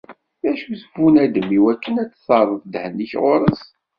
D acu-t bunadem iwakken ad d-terreḍ ddehn-ik ɣur-s?